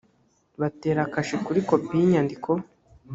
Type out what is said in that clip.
batera kashi kuri kopi y’inyandiko